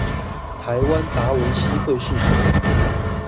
台灣達文西會是誰